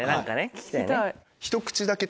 聞きたい。